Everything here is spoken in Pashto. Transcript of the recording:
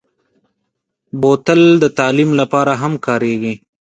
بوتل د تعلیم لپاره هم کارېږي.